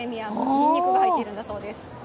にんにくが入っているんだそうです。